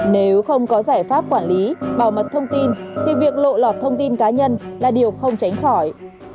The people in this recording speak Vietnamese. nếu không có giải pháp quản lý bảo mật thông tin thì việc lộ lọt thông tin cá nhân là điều không tránh khỏi